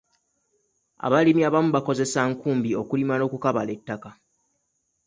Abalimi abamu bakozesa nkumbi okulima n'okukabala ettaka.